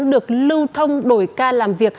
được lưu thông đổi ca làm việc